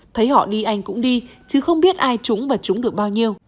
thấy họ đi anh cũng đi chứ không biết ai trúng và trúng được bao nhiêu